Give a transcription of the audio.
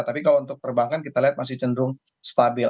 tapi kalau untuk perbankan kita lihat masih cenderung stabil